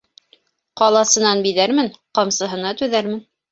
Ҡаласынан биҙәрмен, ҡамсыһына түҙәрмен.